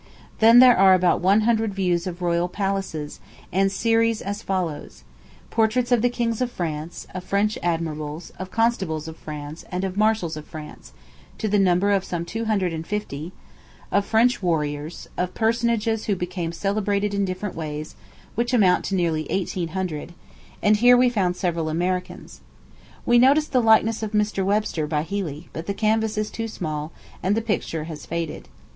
Then there are about one hundred views of royal palaces, and series as follows: Portraits of the kings of France, of French admirals, of constables of France, and of marshals of France, to the number of some two hundred and fifty; of French warriors, of personages who became celebrated in different ways, which amount to nearly eighteen hundred; and here we found several Americans. We noticed the likeness of Mr. Webster, by Healy; but the canvas is too small, and the picture has faded.